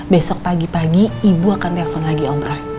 besok pagi pagi ibu akan telfon lagi om roy